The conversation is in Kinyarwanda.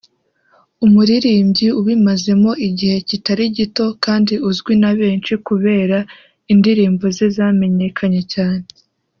umuririmbyi ubimazemo igihe kitari gito kandi uzwi na benshi kubera indirimbo ze zamenyekanye cyane